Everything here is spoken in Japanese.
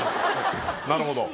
なるほど。